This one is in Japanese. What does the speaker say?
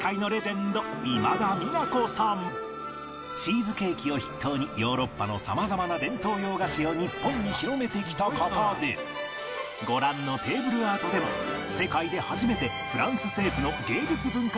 チーズケーキを筆頭にヨーロッパの様々な伝統洋菓子を日本に広めてきた方でご覧のテーブルアートでも世界で初めてフランス政府の芸術文化勲章を受章し